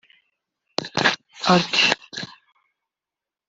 Arts